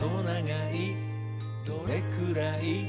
「どれくらい？